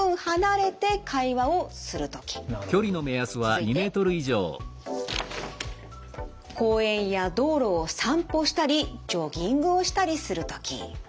続いて公園や道路を散歩したりジョギングをしたりする時。